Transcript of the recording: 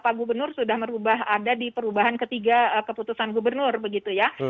pak gubernur sudah merubah ada di perubahan ketiga keputusan gubernur begitu ya